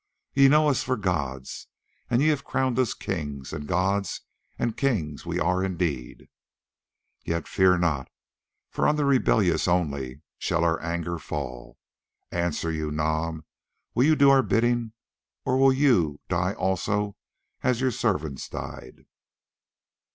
Ye know us for gods and ye have crowned us kings, and gods and kings we are indeed. Yet fear not, for on the rebellious only shall our anger fall. Answer you, Nam. Will you do our bidding? Or will you die also as your servants died?"